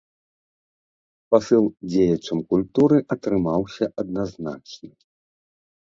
Пасыл дзеячам культуры атрымаўся адназначны.